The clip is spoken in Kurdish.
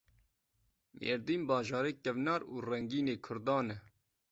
Mêrdîn bajarê kevnar û rengîn ê Kurdan e.